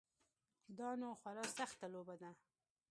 دا نو خورا سخته لوبه ده.